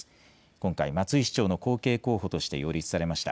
今回、松井市長の後継候補として擁立されました。